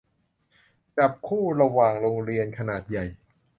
จับคู่ระหว่างโรงเรียนขนาดใหญ่